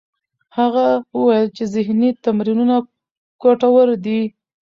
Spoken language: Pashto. هغه وویل چې ذهنې تمرینونه ګټور دي.